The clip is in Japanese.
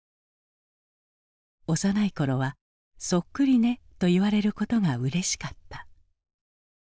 幼い頃は「そっくりね！」と言われることがうれしかった。